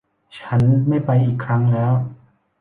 ฉันไม่ไปอีกครั้งแล้ว